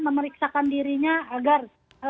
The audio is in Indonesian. memeriksakan dirinya agar